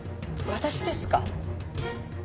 私ですか！？